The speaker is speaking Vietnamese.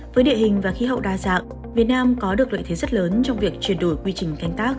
với địa hình và khí hậu đa dạng việt nam có được lợi thế rất lớn trong việc chuyển đổi quy trình canh tác